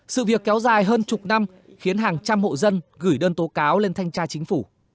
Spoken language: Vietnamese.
sự việc kéo dài hơn chục năm khiến hàng trăm hộ dân gửi đơn tố cáo lên thanh tra chính phủ